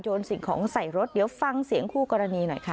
สิ่งของใส่รถเดี๋ยวฟังเสียงคู่กรณีหน่อยค่ะ